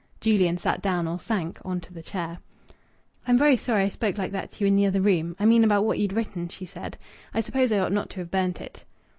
Julian sat down, or sank, on to the chair. "I'm very sorry I spoke like that to you in the other room I mean about what you'd written," she said. "I suppose I ought not to have burnt it."